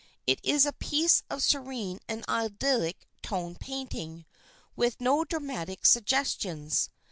It is a piece of serene and idyllic tone painting, with no dramatic suggestions.